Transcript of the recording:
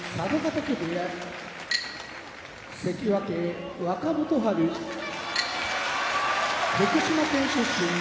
嶽部屋関脇・若元春福島県出身荒汐部屋